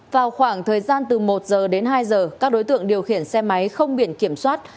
vào khoảng thời gian từ một giờ đến hai giờ các đối tượng điều khiển xe máy không biển kiểm soát